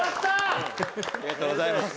「ありがとうございます！」